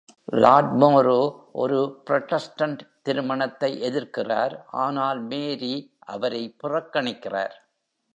Lord Moray, ஒரு Protestant, திருமணத்தை எதிர்க்கிறார், ஆனால் மேரி அவரை புறக்கணிக்கிறார்.